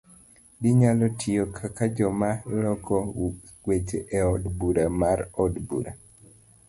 Ginyalo tiyo kaka joma loko weche e od bura mar od bura,